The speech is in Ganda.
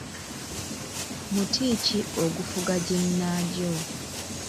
Muti ki ogufuga ginnaagyo?